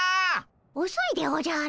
おそいでおじゃる！